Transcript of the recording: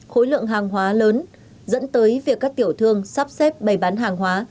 khối lượng hàng hóa lớn dẫn tới việc các tiểu thương sắp xếp bày bán hàng hóa